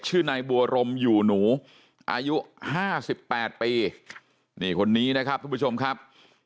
ชื่อในบัวรมอยู่หนูอายุ๕๘ปีนี่คนนี้นะครับทุกผู้ชมครับ